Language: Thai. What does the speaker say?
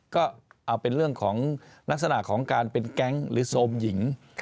ก็เอาเป็นเรื่องของลักษณะของการเป็นแก๊งหรือโทรมหญิง